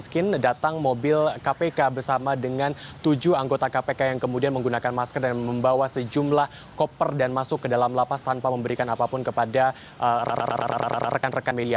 datang mobil kpk bersama dengan tujuh anggota kpk yang kemudian menggunakan masker dan membawa sejumlah koper dan masuk ke dalam lapas tanpa memberikan apapun kepada rekan rekan media